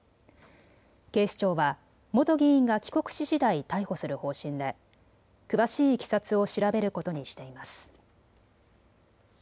警視庁は元議員が帰国ししだい逮捕する方針で詳しいいきさつを調べることにしています。